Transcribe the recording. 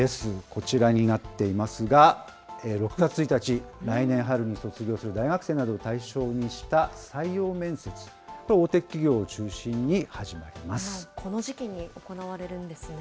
こちらになっていますが、６月１日、来年春に卒業する大学生などを対象にした採用面接、おおてきぎょこの時期に行われるんですね。